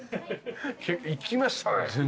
いきましたね。